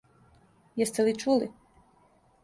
Јесте ли чули?